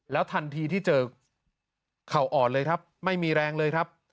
ทันทีที่เจอเข่าอ่อนเลยครับไม่มีแรงเลยครับ